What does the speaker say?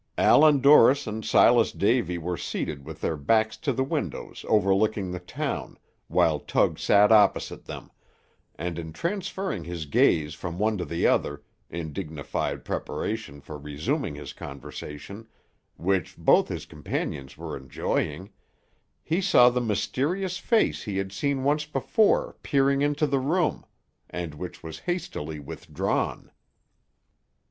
Allan Dorris and Silas Davy were seated with their backs to the windows overlooking the town, while Tug sat opposite them, and in transferring his gaze from one to the other, in dignified preparation for resuming his conversation, which both his companions were enjoying, he saw the mysterious face he had seen once before peering into the room, and which was hastily withdrawn.